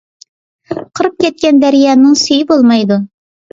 قۇرۇپ كەتكەن دەريانىڭ سۈيى بولمايدۇ.